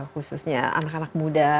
khususnya anak anak muda